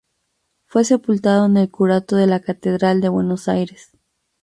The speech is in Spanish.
Fue sepultado en el curato de la Catedral de Buenos Aires.